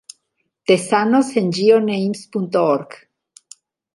Tezanos en geonames.org